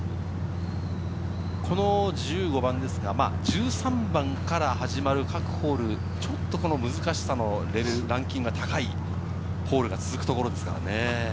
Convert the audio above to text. この１５番、１３番から始まる各ホール、ちょっと難しさのランキングが高いホールが続くところです。